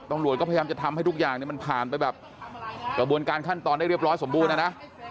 ตำรวจก็พยายามจะทำให้ทุกอย่างมันผ่านไปแบบกระบวนการขั้นตอนได้เรียบร้อยสมบูรณะนะ